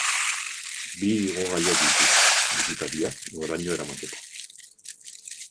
Bi igogailu ditu, bisitariak goraino eramateko.